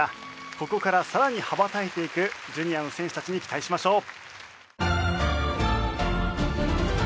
ここからさらに羽ばたいていくジュニアの選手たちに期待しましょう。